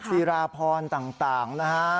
จีราพรต่างนะฮะ